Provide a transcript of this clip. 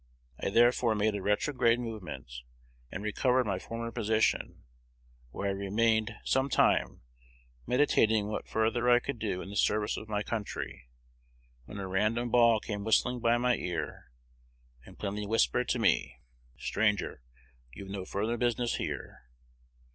I therefore made a retrograde movement, and recovered my former position, where I remained some time, meditating what further I could do in the service of my country, when a random ball came whistling by my ear, and plainly whispered to me, "Stranger, you have no further business here."